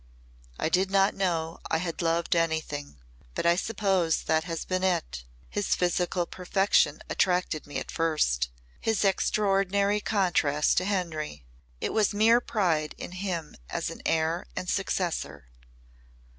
"I did not know I had loved anything but I suppose that has been it. His physical perfection attracted me at first his extraordinary contrast to Henry. It was mere pride in him as an heir and successor.